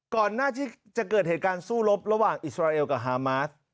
ก่อนหน้าที่จะเกิดเหตุการณ์สู้รบระหว่างอิสราเอลกับฮามาส